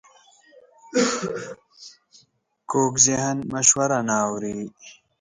کوږ ذهن مشوره نه اوري